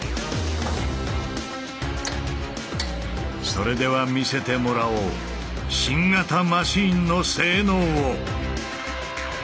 それでは見せてもらおう新型マシーンの性能を！